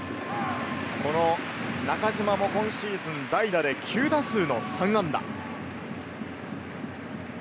中島も今シーズン、代打で９打数の３安打。